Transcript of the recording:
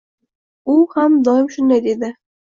U ham doim shunday deydi